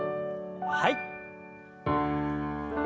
はい。